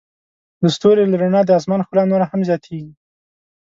د ستوري له رڼا د آسمان ښکلا نوره هم زیاتیږي.